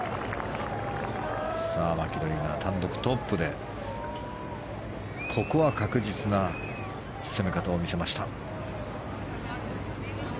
マキロイが単独トップでここは確実な攻め方を見せました。